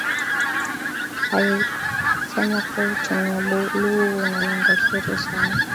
Alisema kuwa Uchumi wa Buluu una lengo zuri sana